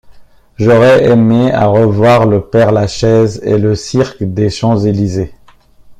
J’aurais aimé à revoir le Père-Lachaise et le Cirque des Champs-Élysées!